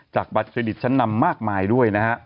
บัตรเครดิตชั้นนำมากมายด้วยนะฮะ